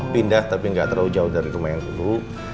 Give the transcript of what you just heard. pindah tapi nggak terlalu jauh dari rumah yang dulu